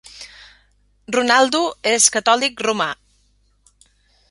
Ronaldo és catòlic romà.